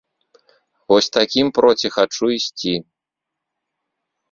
Вось такім проці хачу ісці!